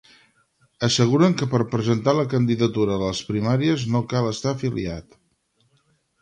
Asseguren que per presentar la candidatura a les primàries no cal estar afiliat.